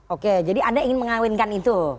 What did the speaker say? oke jadi anda ingin mengawinkan itu